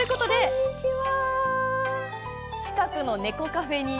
こんにちは。